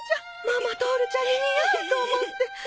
ママトオルちゃんに似合うと思って。